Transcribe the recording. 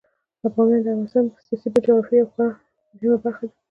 بامیان د افغانستان د سیاسي جغرافیې یوه خورا مهمه برخه ده.